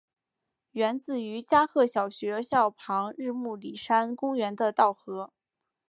源自于加贺小学校旁日暮里山公园的稻荷。